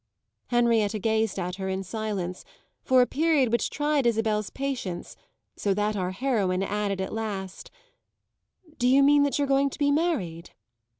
Henrietta gazed at her, in silence, for a period which tried Isabel's patience, so that our heroine added at last: "Do you mean that you're going to be married?"